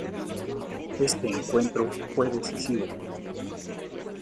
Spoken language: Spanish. Este encuentro fue decisivo.